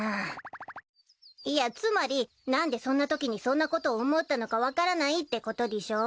いやつまり何でそんなときにそんなことを思ったのか分からないってことでぃしょう？